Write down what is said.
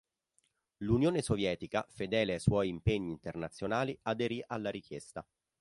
L’Unione Sovietica, fedele ai suoi impegni internazionali aderì alla richiesta.